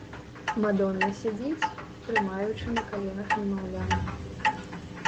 Мадонна сядзіць, трымаючы на каленах немаўля.